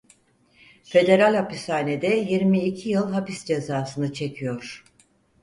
Federal hapishanede yirmi iki yıl hapis cezasını çekiyor.